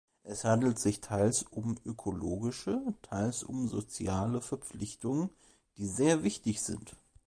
Es handelt sich teils um ökologische, teils um soziale Verpflichtungen, die sehr wichtig sind.